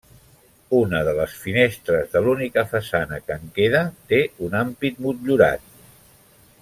Una de les finestres de l'única façana que en queda té un ampit motllurat.